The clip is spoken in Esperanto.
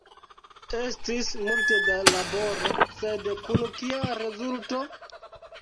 Estis multe da laboro, sed kun kia rezulto?